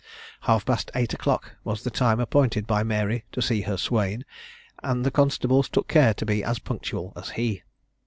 Half past eight o'clock was the time appointed by Mary to see her swain, and the constables took care to be as punctual as he.